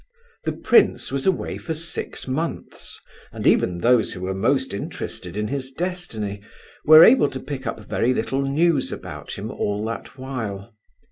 The prince was away for six months, and even those who were most interested in his destiny were able to pick up very little news about him all that while.